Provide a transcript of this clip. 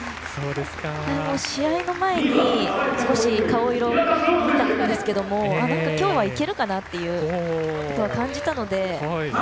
試合の前に、少し顔色を見たんですけれどきょうはいけるかなっていうことは感じたので。